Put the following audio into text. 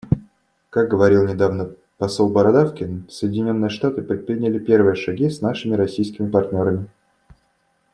Как говорил недавно посол Бородавкин, Соединенные Штаты предприняли первые шаги с нашими российскими партнерами.